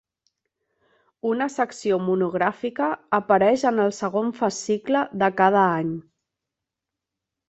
Una secció monogràfica apareix en el segon fascicle de cada any.